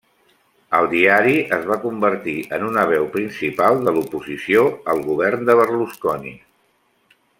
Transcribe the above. El diari es va convertir en una veu principal de l'oposició al govern de Berlusconi.